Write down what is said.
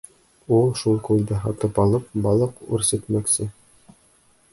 Ул шул күлде һатып алып балыҡ үрсетмәксе.